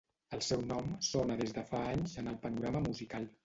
el seu nom sona des de fa anys en el panorama musical